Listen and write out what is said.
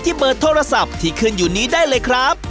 เบอร์โทรศัพท์ที่ขึ้นอยู่นี้ได้เลยครับ